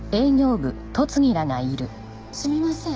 すみません。